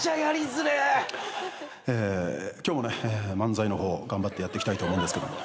今日もね漫才の方頑張ってやっていきたいと思うんですけども。